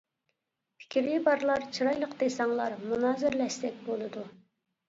پىكرى بارلار چىرايلىق دېسەڭلار مۇنازىرىلەشسەك بولىدۇ.